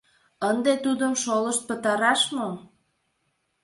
Ынде тудым шолышт пытараш мо?